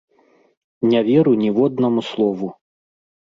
Не веру ніводнаму слову!